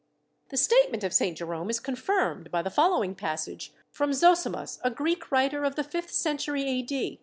The statement of St. Jerome is confirmed by the following passage from Zosimus, a Greek writer of the fifth century A.